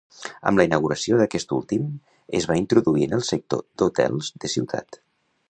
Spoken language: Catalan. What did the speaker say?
Amb la inauguració d'aquest últim, es va introduir en el sector d'hotels de ciutat.